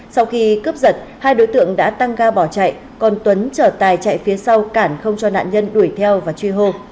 sau khi cướp giật hai đối tượng đã tăng ga bỏ chạy còn tuấn chở tài chạy phía sau cản không cho nạn nhân đuổi theo và truy hô